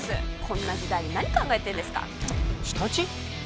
こんな時代に何考えてんですか舌打ち！？